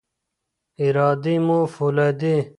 ارادې مو فولادي.